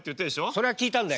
それは聞いたんだよ。